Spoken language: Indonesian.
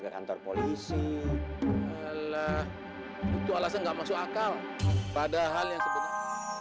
kantor polisi ala itu alasan enggak masuk akal padahal yang sebetulnya